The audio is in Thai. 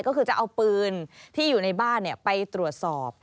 ก็คือจะเอาปืนที่อยู่ในบ้านไปตรวจสอบ